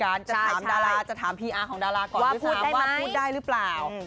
คือการจะถามดาราจะถามพีอาร์ของดาราก่อนว่าพูดได้หรือเปล่า